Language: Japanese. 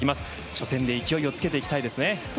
初戦で勢いをつけていきたいですね。